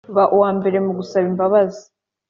ba uwambere mugusaba imbabazi